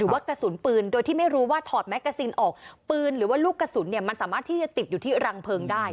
ว่ากระสุนปืนโดยที่ไม่รู้ว่าถอดแมกกาซินออกปืนหรือว่าลูกกระสุนเนี่ยมันสามารถที่จะติดอยู่ที่รังเพลิงได้